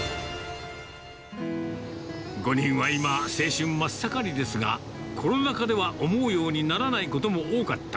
５人は今、青春真っ盛りですが、コロナ禍では思うようにならないことも多かった。